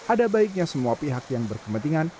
ada baiknya semua pihak yang berkepentingan